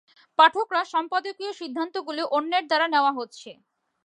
পাঠকরা সম্পাদকীয় সিদ্ধান্তগুলি অন্যের দ্বারা নেওয়া হচ্ছে।